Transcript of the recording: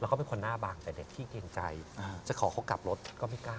เราก็เป็นคนหน้าบางแต่พี่เย็นใจจะขอเขากลับรถก็ไม่กล้า